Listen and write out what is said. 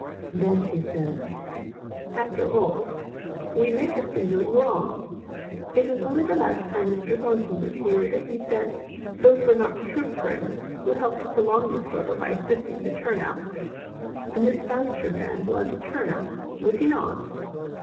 Then she said: "After all, we may have been doing wrong. It was only the last time Mr. Thornton was here that he said, those were no true friends who helped to prolong the struggle by assisting the turn outs. And this Boucher man was a turn out, was he not?"